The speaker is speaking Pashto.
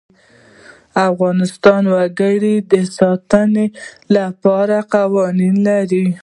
افغانستان د وګړي د ساتنې لپاره قوانین لري.